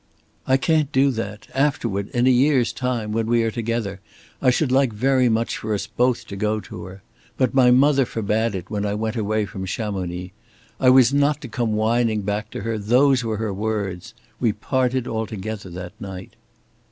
"I can't do that. Afterward, in a year's time when we are together, I should like very much for us both to go to her. But my mother forbade it when I went away from Chamonix. I was not to come whining back to her, those were her words. We parted altogether that night."